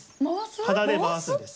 鼻で回すんです。